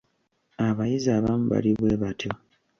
Abayizi abamu bali bwe batyo.